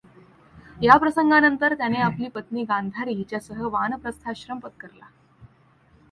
या प्रसंगानंतर त्याने आपली पत्नी गांधारी हिच्यासह वानप्रस्थाश्रम पत्करला.